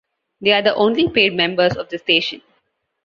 They are the only paid members of the station.